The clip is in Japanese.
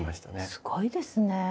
すごいですね。